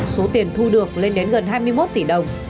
số tiền thu được lên đến gần hai mươi một tỷ đồng